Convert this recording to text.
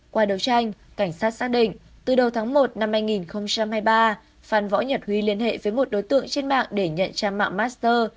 qua đấu tranh cảnh sát xác định từ đầu tháng một năm hai nghìn hai mươi ba phan võ nhật huy liên hệ với một đối tượng trên mạng để nhận trang mạng master